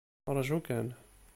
Ṛju kan.